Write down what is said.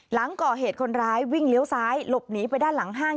หลังก่อเหตุคนร้ายวิ่งเลี้ยวซ้ายหลบหนีไปด้านหลังห้าง